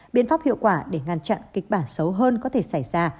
biện pháp hiệu quả để ngăn chặn kịch bản xấu hơn có thể xảy ra